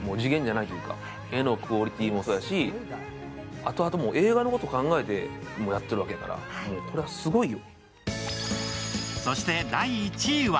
あとあと映画のことも考えてやってるわけだから、これもうすごいよ。